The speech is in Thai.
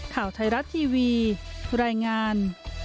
ข่าวไทยรัฐทีวีรายงาน